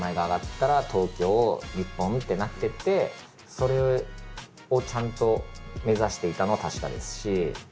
それをちゃんと目指していたのは確かですし。